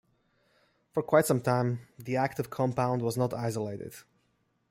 For quite some time, the active compound was not isolated.